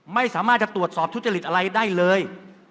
ไม่สามารถจะตรวจสอบทุจริตอะไรได้เลย